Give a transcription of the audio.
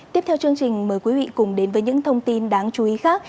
tiếp theo chương trình mời quý vị cùng đến với những thông tin đáng chú ý khác